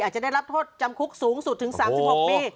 อาจจะได้รับโทษจำคุกสูงสุดถึง๓๖ปี